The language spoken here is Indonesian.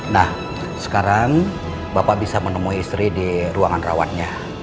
nah sekarang bapak bisa menemui istri di ruangan rawatnya